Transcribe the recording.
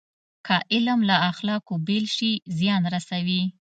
که علم له اخلاقو بېل شي، زیان رسوي.